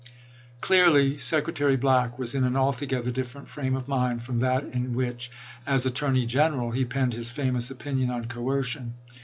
Clearly Secretary Black was in an altogether different frame of mind from that in which, as Attorney General, he penned his famous opinion on coercion.